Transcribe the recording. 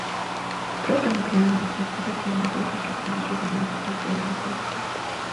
A programok leállását követően a gépeket más üzemeltetők bérelték ki.